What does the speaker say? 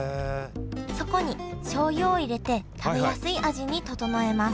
そこにしょうゆを入れて食べやすい味に調えます